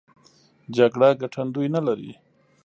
جګړه ګټندوی نه لري.